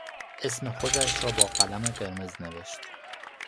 اسم خودش را با قلم قرمز نوشت.